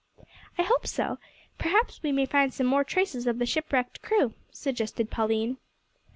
"I hope so. Perhaps we may find some more traces of the shipwrecked crew," suggested Pauline.